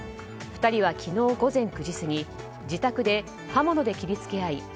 ２人は昨日午前９時過ぎ自宅で刃物で切りつけ合い